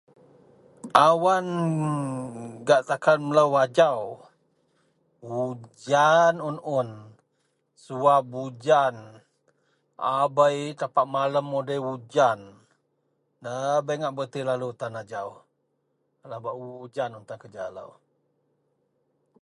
awannn gak takan melou ajau, ujan un-un, suwab ujan, abei tapak malam udei ujan, dabei ngak bereti lalu tan ajau, alah ujan un tan lau